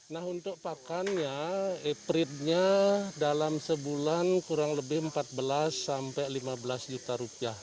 nah untuk pakannya epritnya dalam sebulan kurang lebih empat belas sampai lima belas juta rupiah